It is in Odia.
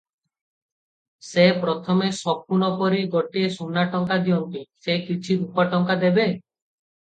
ସେ ପ୍ରଥମେ ଶକୁନ ପରି ଗୋଟିଏ ସୁନାଟଙ୍କା ଦିଅନ୍ତି, ସେ କିଛି ରୂପା ଟଙ୍କା ଦେବେ?